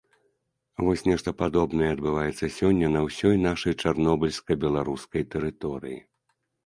Вось нешта падобнае адбываецца сёння на ўсёй нашай чарнобыльска-беларускай тэрыторыі.